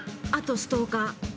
あとストーカー。